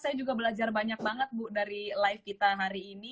saya juga belajar banyak banget bu dari live kita hari ini